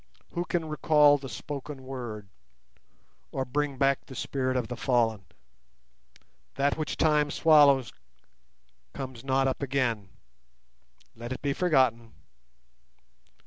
Who can recall the spoken word, or bring back the spirit of the fallen? That which Time swallows comes not up again. Let it be forgotten!